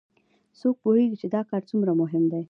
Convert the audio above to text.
څوک پوهیږي چې دا کار څومره مهم ده